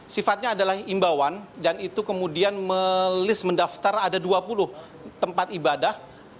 sifatnya adalah imbauan dan itu kemudian melis mendaftar ada dua puluh tempat ibadah